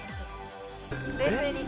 冷静に。